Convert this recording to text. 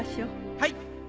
はい。